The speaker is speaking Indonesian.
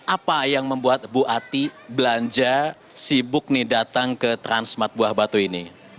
apa yang membuat bu ati belanja sibuk nih datang ke transmat buah batu ini